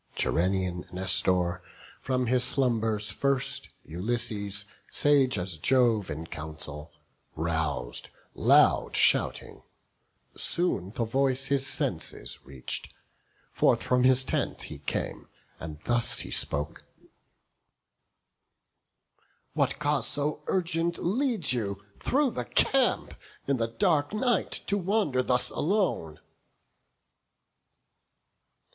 Gerenian Nestor from his slumbers first Ulysses, sage as Jove in council, rous'd, Loud shouting; soon the voice his senses reach'd; Forth from his tent he came, and thus he spoke: "What cause so urgent leads you, through the camp, In the dark night to wander thus alone?"